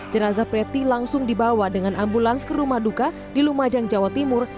jenazah preti langsung dibawa dengan ambulans ke rumah duka di lumajang jawa timur